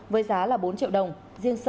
với giá là bốn triệu đồng